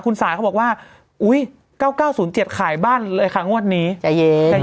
คุณสายเขาบอกว่าอุ้ยเก้าเก้าศูนย์เจียดขายบ้านเลยค่ะงวดนี้ใจเย็น